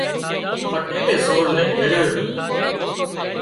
پٽيلئي سور نين ڳريو رو